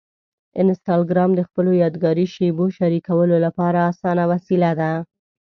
انسټاګرام د خپلو یادګاري شېبو شریکولو لپاره اسانه وسیله ده.